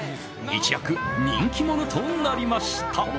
一躍、人気者となりました。